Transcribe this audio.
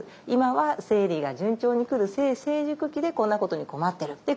今は生理が順調に来る性成熟期でこんなことに困ってる。